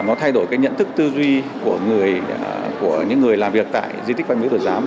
nó thay đổi cái nhận thức tư duy của những người làm việc tại di tích văn miếu thủ giám